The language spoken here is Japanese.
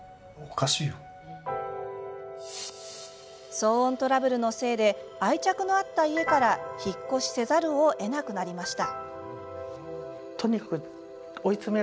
騒音トラブルのせいで愛着のあった家から引っ越しせざるをえなくなりました。